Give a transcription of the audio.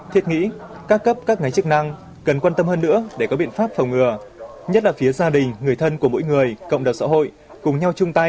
thiết nghĩ các cấp các ngành chức năng cần quan tâm hơn nữa để có biện pháp phòng ngừa nhất là phía gia đình người thân của mỗi người cộng đồng xã hội cùng nhau chung tay